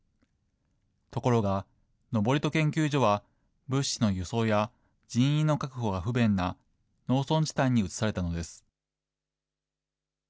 ところが、登戸研究所は物資の輸送や人員の確保が不便な農村地帯に移されたのです。